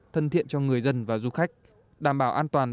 thân thiện cho người dân và du khách đảm bảo an toàn